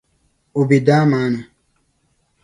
O be daa maa ni.